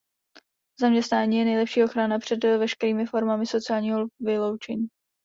Zaměstnání je nejlepší ochrana před veškerými formami sociálního vyloučení.